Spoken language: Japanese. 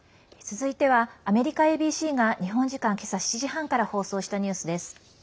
続いてはアメリカＡＢＣが日本時間、今朝７時半から放送したニュースです。